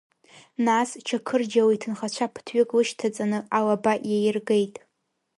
Нас Чақырџьалы иҭынхацәа ԥыҭҩык лышьҭаҵаны алаба иаиргеит.